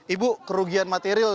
ibu kerugian material